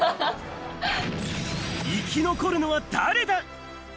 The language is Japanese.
生き残るのは誰だ？